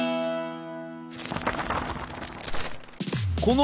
この